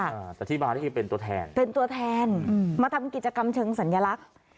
อ่าแต่อธิบายนี่คือเป็นตัวแทนเป็นตัวแทนอืมมาทำกิจกรรมเชิงสัญลักษณ์